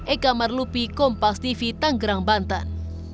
eka marlupi kompas tv tangerang bantan